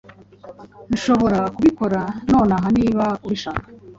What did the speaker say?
Nshobora kubikora nonaha niba ubishaka.